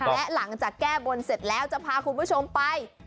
และหลังจากแก้บนเสร็จแล้วจะพาคุณผู้ชมไป